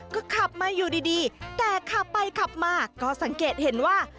ก็ขับมาอยู่ดีแต่ขับไปขับมาก็สังเกตเห็นว่า